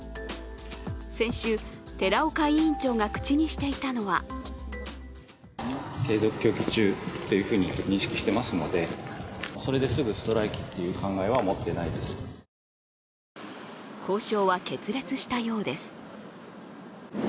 先週、寺岡委員長が口にしていたのは交渉は決裂したようです。